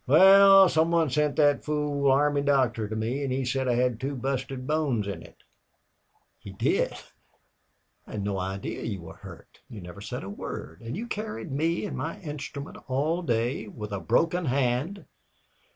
"Wal, some one sent thet fool army doctor to me an' he said I had two busted bones in it." "He did! I had no idea you were hurt. You never said a word. And you carried me and my instrument all day with a broken hand!"